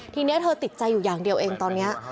ทีนี้เธอติดใจอยู่อย่างเดียวเองตอนนี้